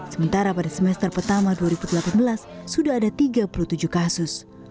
sementara pada semester pertama dua ribu delapan belas sudah ada tiga puluh tujuh kasus